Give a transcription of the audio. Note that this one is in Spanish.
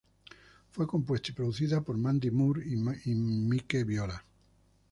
Fue compuesta y producida por Mandy Moore y Mike Viola.